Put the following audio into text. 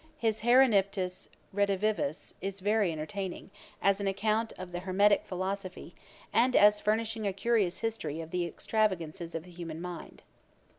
His Herinipptis Redivivus is very entertaining, as an account of the Hermetick philosophy, and as furnishing a curious history of the extravagancies of the human mind.